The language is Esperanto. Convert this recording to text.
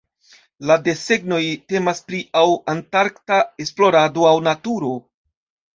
La desegnoj temas pri aŭ antarkta esplorado aŭ naturo.